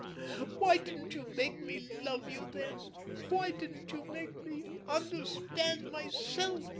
Why didn't you make me love you then? Why didn't you make me understand myself?"